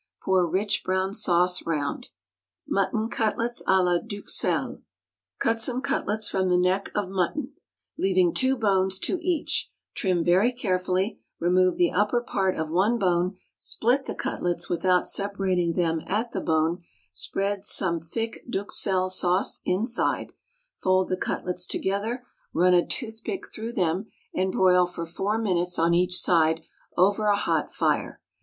Pour rich brown sauce round. Mutton Cutlets à la d'Uxelles. Cut some cutlets from the neck of mutton, leaving two bones to each, trim very carefully, remove the upper part of one bone, split the cutlets without separating them at the bone, spread some thick d'Uxelles sauce[90 *] inside, fold the cutlets together, run a toothpick through them, and broil for four minutes on each side over a hot fire.